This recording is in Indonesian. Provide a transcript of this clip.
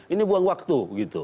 ini buang waktu